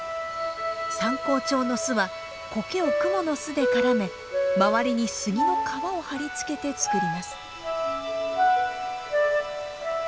サンコウチョウの巣はコケをクモの巣で絡め周りに杉の皮を貼り付けて作ります。